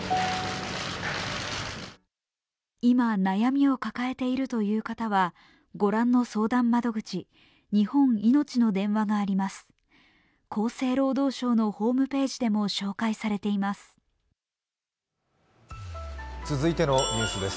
今悩みを抱えているという方は御覧の相談窓口、日本いのちの電話があります。